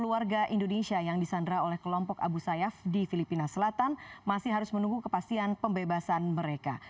sepuluh warga indonesia yang disandra oleh kelompok abu sayyaf di filipina selatan masih harus menunggu kepastian pembebasan mereka